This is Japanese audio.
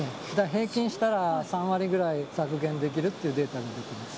平均したら３割ぐらい削減できるっていうデータが出てます。